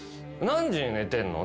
「何時に寝てんの？」